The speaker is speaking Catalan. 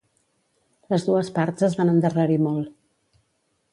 Les dues parts es van endarrerir molt.